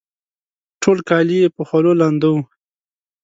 ټول کالي یې په خولو لانده وه